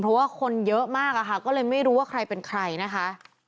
เพราะว่าคนเยอะมากอะค่ะก็เลยไม่รู้ว่าใครเป็นใครนะคะ